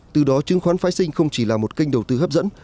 từ đó chứng khoán phái sinh không chỉ là một kênh đầu tư hấp dẫn